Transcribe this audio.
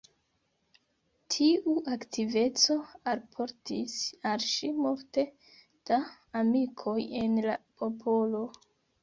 Tiu aktiveco alportis al ŝi multe da amikoj en la popolo.